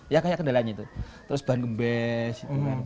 ya kayak kendalanya itu terus ban gembes